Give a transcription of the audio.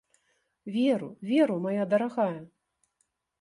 Веру, веру, мая дарагая!